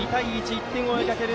１点を追いかける